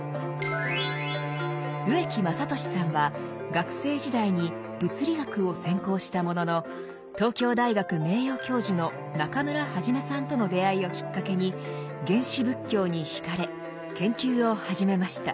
植木雅俊さんは学生時代に物理学を専攻したものの東京大学名誉教授の中村元さんとの出会いをきっかけに原始仏教に惹かれ研究を始めました。